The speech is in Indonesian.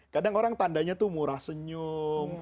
kadang orang tandanya tuh murah senyum